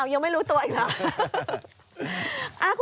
ยังไม่รู้ตัวอีกหรอ